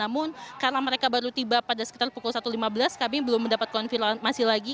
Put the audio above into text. namun karena mereka baru tiba pada sekitar pukul satu lima belas kami belum mendapat konfirmasi lagi